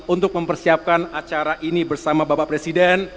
untuk mempersiapkan acara ini bersama bapak presiden